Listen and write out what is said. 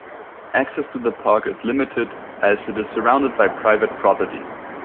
Access to the park is limited as it is surrounded by private property.